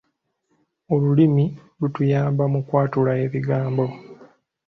Olulimi lutuyamba mu kwatula ebigambo.